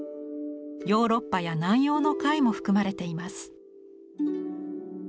ヨーロッパや南洋の貝も含まれています。